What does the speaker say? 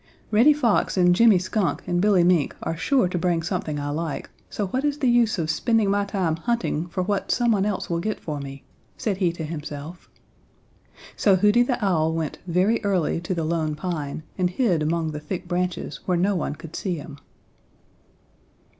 "Reddy Fox and Jimmy Skunk and Billy Mink are sure to bring somethink [Transcriber's note: something?] I like, so what is the use of spending my time hunting for what someone else will get for me?" said he to himself. So Hooty the Owl went very early to the Lone Pine and hid among the thick branches where no one could see him.